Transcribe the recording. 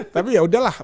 tapi yaudah lah